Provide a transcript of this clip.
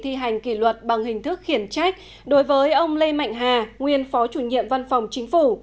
thi hành kỷ luật bằng hình thức khiển trách đối với ông lê mạnh hà nguyên phó chủ nhiệm văn phòng chính phủ